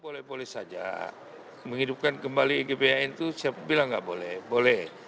boleh boleh saja menghidupkan kembali gbhn itu saya bilang nggak boleh boleh